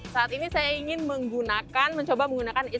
saat ini saya ingin menggunakan mencoba menggunakan e scooter